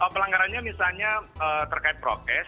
pelanggarannya misalnya terkait prokes